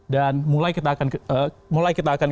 dan mulai kita akan